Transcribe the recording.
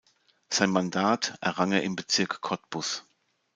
Sein Mandat errang er im Bezirk Cottbus.